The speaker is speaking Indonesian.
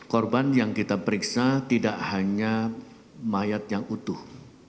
korban yang kita periksa tidak hanya mayat yang utuh